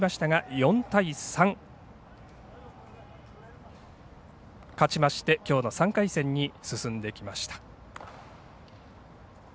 ４対３勝ちまして、きょうの３回戦に進んできました。